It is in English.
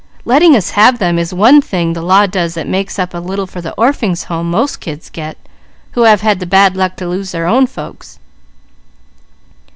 Letting us have them is one thing the law does that makes up a little for the Orphings' Homes most kids get who have had the bad luck to lose their own folks."